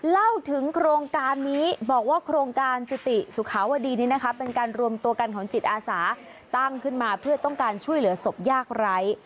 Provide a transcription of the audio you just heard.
เล่าถึงโครงการนี้บอกว่าโครงการจุติสุขาวดีนี้นะคะเป็นการรวมตัวกันของจิตอาสาตั้งขึ้นมาเพื่อต้องการช่วยเหลือศพยากไร้